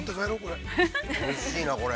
◆おいしいな、これ。